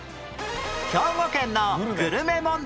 兵庫県のグルメ問題